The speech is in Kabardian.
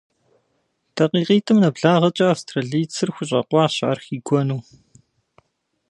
ДакъикъитӀым нэблагъэкӀэ австралийцыр хущӀэкъуащ ар хигуэну.